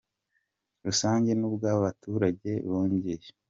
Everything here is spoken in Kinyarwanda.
rusange n’ubw’abaturage bongeye.